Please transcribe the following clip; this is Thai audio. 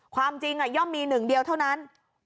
ความจริงย่อมมีหนึ่งเดียวเท่านั้น